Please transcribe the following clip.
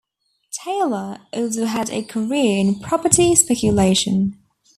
Taylor also had a career in property speculation.